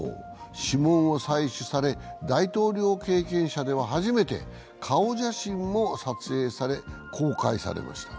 指紋を採取され、大統領経験者では初めて顔写真も撮影され公開されました。